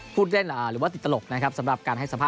พูดเล่นหรือว่าติดตลกนะครับสำหรับการให้สัมภาษ